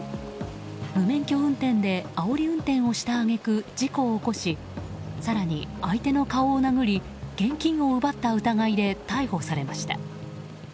無免許運転であおり運転をした揚げ句事故を起こし更に、相手の顔を殴り現金を奪った疑いで逮捕されました。